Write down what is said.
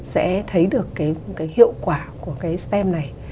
sẽ thấy được cái hiệu quả của cái stem này